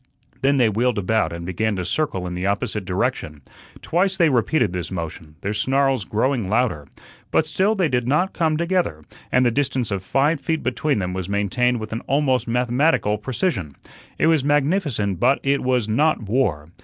Then they wheeled about and began to circle in the opposite direction. Twice they repeated this motion, their snarls growing louder. But still they did not come together, and the distance of five feet between them was maintained with an almost mathematical precision. It was magnificent, but it was not war.